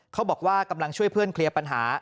กำลังช่วยเพื่อนเคลียร์ปัญหา